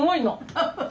ハハハハ。